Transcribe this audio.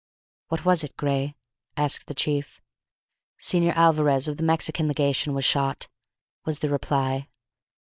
"What was it, Gray?" asked the chief. "Señor Alvarez, of the Mexican legation, was shot," was the reply.